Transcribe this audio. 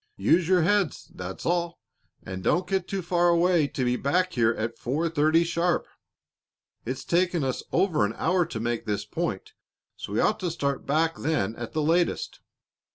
Use your heads, that's all, and don't get too far away to be back here at four thirty sharp. It's taken us over an hour to make this point, so we ought to start back then at the latest.